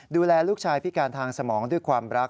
ดูแลลูกชายพิการทางสมองด้วยความรัก